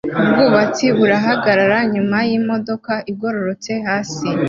Ubwubatsi burahagarara nyuma yimodoka igororotse hasi